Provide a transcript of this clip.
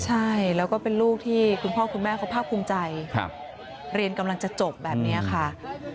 ใช่แล้วก็เป็นลูกที่คุณพ่อคุณแม่เขาภาคภูมิใจเรียนกำลังจะจบแบบนี้ค่ะ